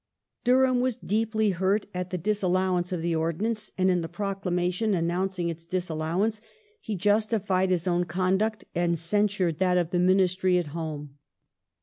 ^ Durham was deeply hurt at the disallowance of the Ordinance, and in the Proclamation announcing its disallowance he justified his own conduct and censured that of the Ministry at home.